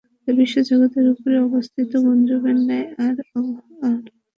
তা বিশ্বজগতের উপরে অবস্থিত গুম্বজের ন্যায় আর তাহলো সৃষ্টি জগতের ছাদস্বরূপ।